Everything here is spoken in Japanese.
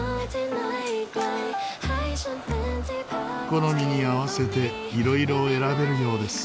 好みに合わせて色々選べるようです。